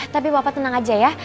tapi bapak tenang aja ya